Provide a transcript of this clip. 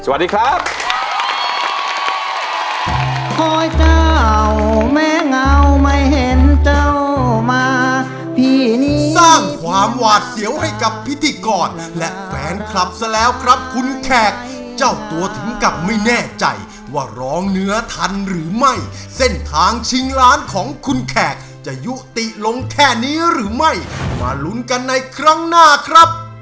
วันนี้พวกเราขอลาไปก่อนครับสวัสดีครับ